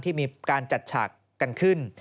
ที่มีการจัดฉากกันขึ้น